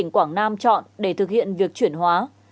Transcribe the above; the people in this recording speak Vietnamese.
quảng nam chọn để thực hiện việc chuyển hóa